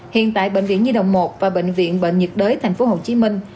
hiện tại bệnh viện di động một và bệnh viện bệnh nhiệt đới thành phố hồ chí minh